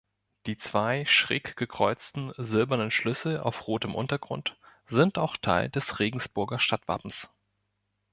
Die zwei schräggekreuzten silbernen Schlüssel auf rotem Untergrund sind auch Teil des Regensburger Stadtwappens.